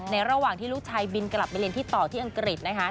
ระหว่างที่ลูกชายบินกลับไปเรียนที่ต่อที่อังกฤษนะคะ